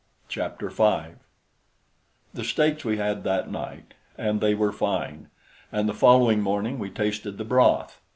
Chapter 5 The steaks we had that night, and they were fine; and the following morning we tasted the broth.